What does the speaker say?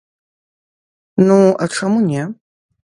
Ну, а чаму не?